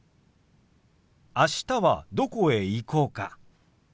あしたはどこへ行こうか？